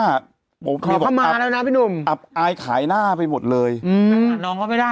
น้องก็ไม่ได้เหรอ